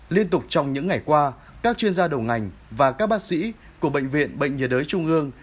liên tục trong những ngày qua các chuyên gia đầu ngành và các bác sĩ của bệnh viện bệnh nhiệt đới trung ương